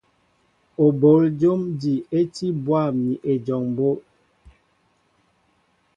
Ó bol jǒm ji é tí bwâm ni ejɔŋ mbó'.